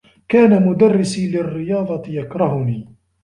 كان مدرّسي للرّياضة يكرهني.